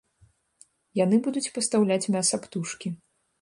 Яны будуць пастаўляць мяса птушкі.